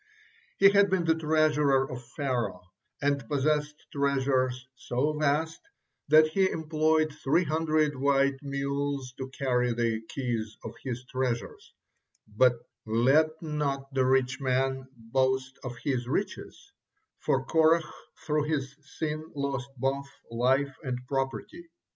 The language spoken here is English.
He had been the treasurer of Pharaoh, and possessed treasures so vast that he employed three hundred white mules to carry the keys of his treasures: but "let not the rich man boast of his riches," for Korah through his sin lost both life and property.